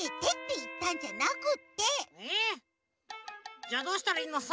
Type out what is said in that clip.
じゃどうしたらいいのさ？